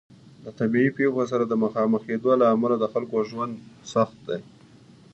د طبیعي پیښو سره د مخامخ کیدو له امله د خلکو ژوند سخت دی.